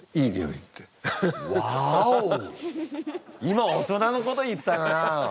今大人なこと言ったな。